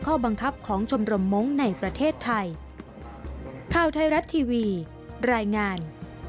ข้อบังคับของชมรมมงค์ในประเทศไทยข้าวไทยรัฐทีวีรายงาน